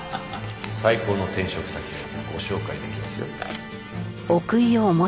最高の転職先をご紹介できますよ。